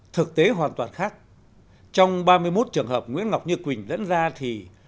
thực tế hoàn toàn khác trong ba mươi một trường hợp nguyễn ngọc như quỳnh lẫn ra thì